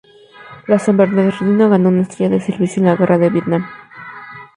La San Bernardino ganó una estrella de servicio en la Guerra de Vietnam.